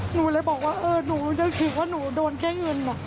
หนูเลยบอกว่าเออหนูยังถือว่าหนูโดนแค่เงินอ่ะ